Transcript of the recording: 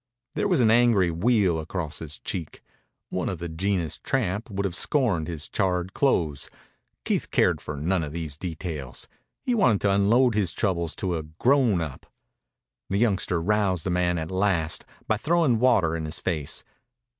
There was an angry wheal across his cheek. One of the genus tramp would have scorned his charred clothes. Keith cared for none of these details. He wanted to unload his troubles to a "grown up." The youngster roused the man at last by throwing water in his face.